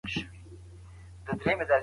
مهردل خان مشرقي صديق اخندزاده